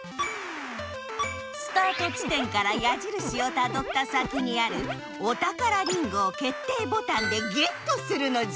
スタート地点からやじるしをたどった先にあるお宝りんごをけっていボタンでゲットするのじゃ！